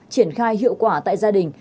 triển khai hiệu quả tại gia đình